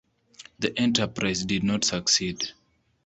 The enterprise did not succeed.